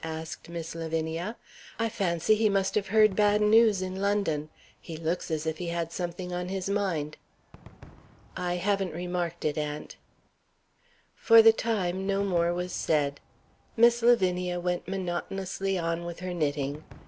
asked Miss Lavinia. "I fancy he must have heard bad news in London. He looks as if he had something on his mind." "I haven't remarked it, aunt." For the time, no more was said. Miss Lavinia went monotonously on with her knitting.